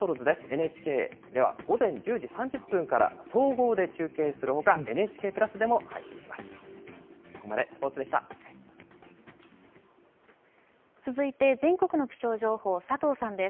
ＮＨＫでは午前１０時３０分から、総合で中継するほか、ＮＨＫプラスでも配信します。